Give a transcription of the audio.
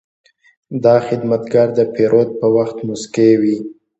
دا خدمتګر د پیرود پر وخت موسکی وي.